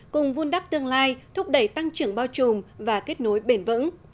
cùng vun đắp tương lai thúc đẩy tăng trưởng bao trùm và kết nối bền vững